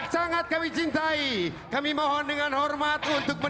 dan kemampuan terbuka